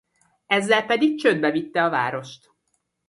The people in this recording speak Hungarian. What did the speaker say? Ezzel pedig csődbe vitte a várost.